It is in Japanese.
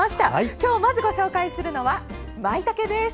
今日まずご紹介するのはまいたけです。